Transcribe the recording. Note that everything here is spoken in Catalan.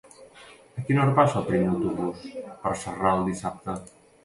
A quina hora passa el primer autobús per Sarral dissabte?